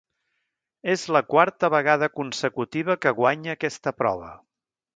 És la quarta vegada consecutiva que guanya aquesta prova.